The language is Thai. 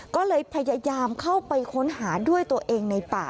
ก็เลยพยายามเข้าไปค้นหาด้วยตัวเองในป่า